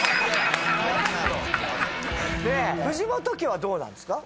藤本家はどうなんですか？